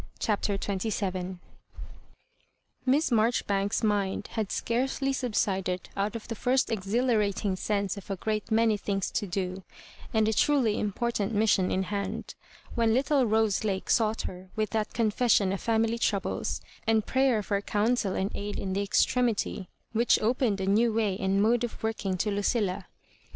CHAPTER XXVIL Mi8S Mabjoribanes's mind had scarcely sub sided out of the first exhilarating sense of a great many things to do, and a truly important mis sion in baud, when little Rose Lake sought her with that confession of family troubles, and prayer for counsel and aid in the extremity, which opened a new way and mode of working to LuciUa.